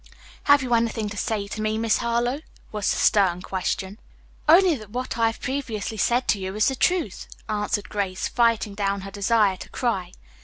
"Have you anything to say to me, Miss Harlowe?" was the stern question. "Only, that what I have previously said to you is the truth," answered Grace, fighting down her desire to cry.